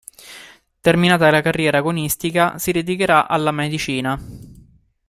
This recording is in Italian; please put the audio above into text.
Terminata la carriera agonistica si dedicherà alla medicina.